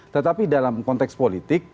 tetapi dalam konteks politik